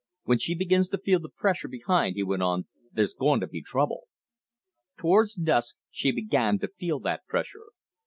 "When she begins to feel th' pressure behind," he went on, "there's goin' to be trouble." Towards dusk she began to feel that pressure.